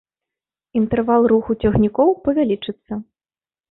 Інтэрвал руху цягнікоў павялічыцца.